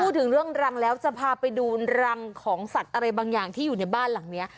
พูดถึงเรื่องรังแล้วจะพาไปดูรังของสัตว์อะไรบางอย่างที่อยู่ในบ้านหลังนี้